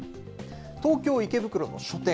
東京・池袋の書店。